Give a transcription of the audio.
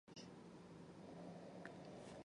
这导致他一度无法返回香港出庭应讯。